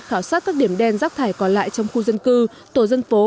khảo sát các điểm đen rác thải còn lại trong khu dân cư tổ dân phố